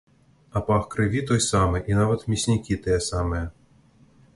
А пах крыві той самы і нават мяснікі тыя самыя.